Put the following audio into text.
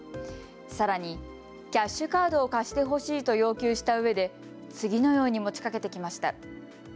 さらにキャッシュカードを貸してほしいと要求したうえで次のように持ちかけてきました。